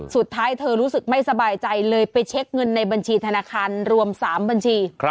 สุดท้ายเธอรู้สึกไม่สบายใจเลยไปเช็คเงินในบัญชีธนาคารรวม๓บัญชี